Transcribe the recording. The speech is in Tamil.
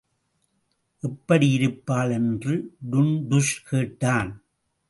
எப்படியிருப்பாள்? என்று டுன்டுஷ் கேட்டான்.